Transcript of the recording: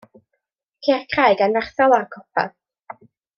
Ceir craig anferthol ar y copa.